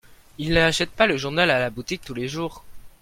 Ils n'achètent pas le journal à la boutique tous les jours